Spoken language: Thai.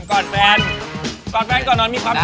กอดแฟนก่อนนอนมีความสุข